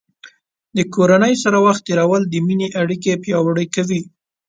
د کورنۍ سره وخت تیرول د مینې اړیکې پیاوړې کوي.